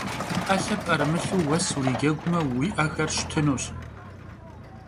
'elhe p'erımılhu vues vuricegume vui 'exer ştınuş.